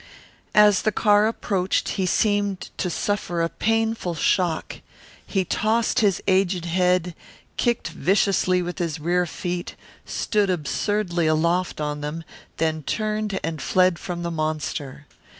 As the car approached he seemed to suffer a painful shock. He tossed his aged head, kicked viciously with his rear feet, stood absurdly aloft on them, then turned and fled from the monster.